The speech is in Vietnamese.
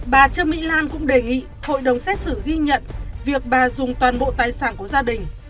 bà trương mỹ lan cũng đề nghị hội đồng xét xử ghi nhận việc bà dùng toàn bộ tài sản của gia đình